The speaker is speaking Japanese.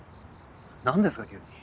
何ですか急に。